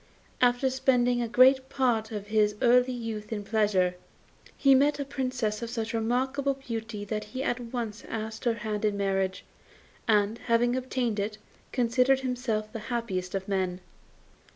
After spending the greater part of his early youth in pleasure, he met a Princess of such remarkable beauty that he at once asked her hand in marriage, and, having obtained it, considered himself the happiest of men.